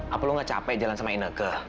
apa lo gak capek jalan sama ineke